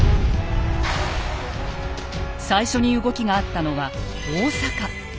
最初に動きがあったのは大阪。